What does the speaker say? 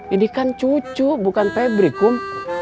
ini kan cucu bukan febri kum